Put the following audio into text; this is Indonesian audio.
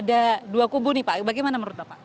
ada dua kubu nih pak bagaimana menurut bapak